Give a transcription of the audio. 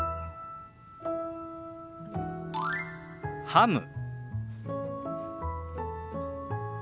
「ハム」。